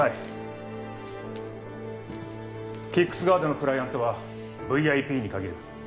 ＫＩＣＫＳガードのクライアントはＶＩＰに限る。